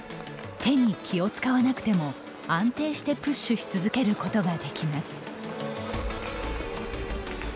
手に気を遣わなくても、安定してプッシュし続けることができます。